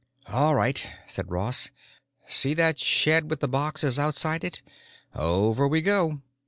"All right," said Ross. "See that shed with the boxes outside it? Over we go."